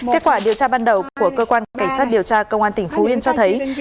kết quả điều tra ban đầu của cơ quan cảnh sát điều tra công an tỉnh phú yên cho thấy